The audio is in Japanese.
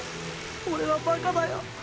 オレはバカだよ！！